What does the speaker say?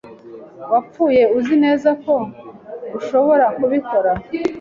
Wapfuye uzi neza ko ushobora kubikora?